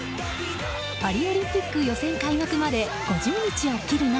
パリオリンピック予選開幕まで５０日を切る中。